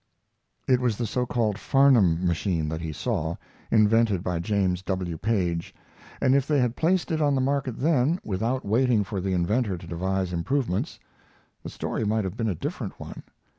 It was the so called Farnham machine that he saw, invented by James W. Paige, and if they had placed it on the market then, without waiting for the inventor to devise improvements, the story might have been a different one.